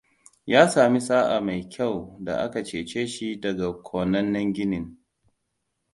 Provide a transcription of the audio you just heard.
Ya sami sa'a mai kyau da a ka ceci shi daga konannen gini.